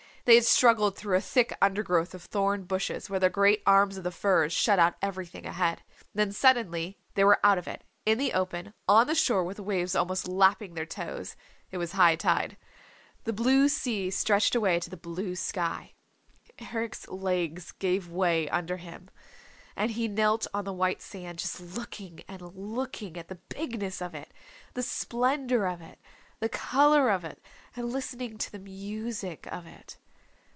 They had struggled through a thick undergrowth of thorned bushes where the great arms of the firs shut out everything ahead. Then suddenly they were out of it, in the open, on the shore with the waves almost lapping their toes. It was high tide. The blue sea stretched away to the blue sky. Eric's legs gave way under him, and he knelt on the white sand, just looking and looking at the bigness of it, the splendor of it, the color of it, and listening to the music of it.